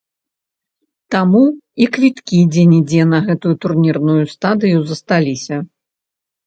Таму і квіткі дзе-нідзе на гэтую турнірную стадыю засталіся.